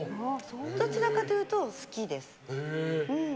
どちらかというと好きです。